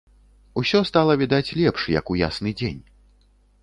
Усё стала відаць лепш, як у ясны дзень.